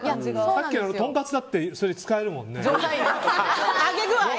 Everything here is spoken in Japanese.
さっきのとんかつだってそれ使えるもんね。